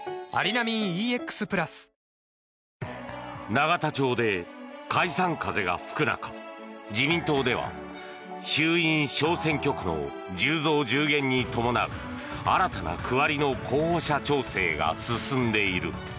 永田町で解散風が吹く中自民党では、衆院小選挙区の１０増１０減に伴う新たな区割りの候補者調整が進んでいる。